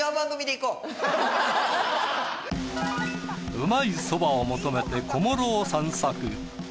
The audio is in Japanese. うまいそばを求めて小諸を散策。